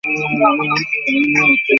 Stephen Darkhold ত্যাগ করেছিল।